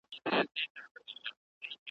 په غوجل کي چي تړلی نیلی آس وو .